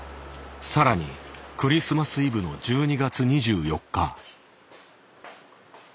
更にクリスマスイブの１２月２４日。